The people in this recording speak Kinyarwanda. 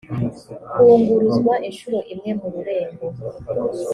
kunguruzwa inshuro imwe mu rurembo